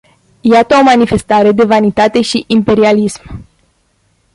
Iată o manifestare de vanitate și imperialism!